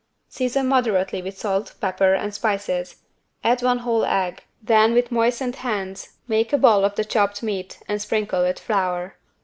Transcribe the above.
Season moderately with salt pepper and spices, add one whole egg then with moistened hands make a ball of the chopped meat and sprinkle with flour.